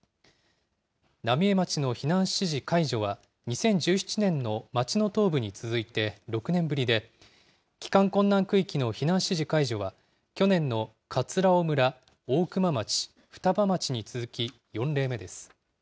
浪江町の避難指示解除は、２０１７年の町の東部に続いて６年ぶりで、帰還困難区域の避難指示解除は、去年の葛尾村、大熊町、双葉町に続き４例目です。